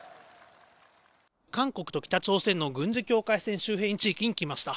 韓国と北朝鮮の軍事境界線周辺地域に来ました。